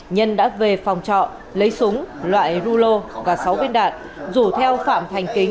nhân đã về phòng trọ lấy súng loại rulo và sáu viên đạn rủ theo phạm thành kính